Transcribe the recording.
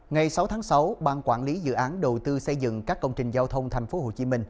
ngày sáu tháng sáu ban quản lý dự án đầu tư xây dựng các công trình giao thông tp hcm